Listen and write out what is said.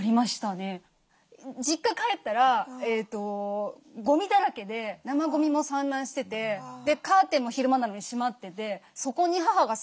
実家帰ったらごみだらけで生ごみも散乱しててカーテンも昼間なのに閉まっててそこに母が座ってたんですよ。